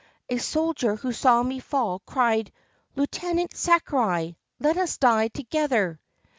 A soldier who saw me fall cried, "Lieutenant Sakurai, let us die together."